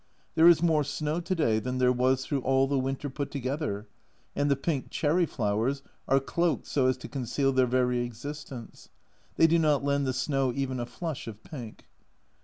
There is more snow to day than there was through all the winter put together, and the pink cherry flowers are cloaked so as to conceal their very existence ; they do not lend the snow even a flush of pink.